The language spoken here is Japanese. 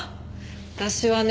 私はね